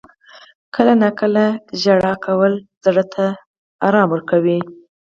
• کله ناکله ژړا کول زړه ته آرام ورکوي.